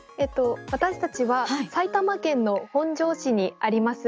私たちは埼玉県の本庄市にあります